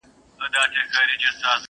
او د درد نښې لري تل